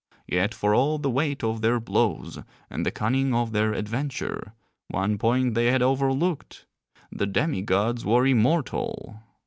Yet for all the weight of their blows and the cunning of their adventure, one point they had overlooked: _the demi gods were immortal.